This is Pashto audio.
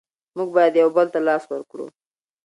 موږ بايد يو بل ته لاس ورکړو.